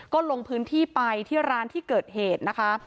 ก็ลงพื้นที่ไปที่ร้านที่เกิดเหตุนะคะ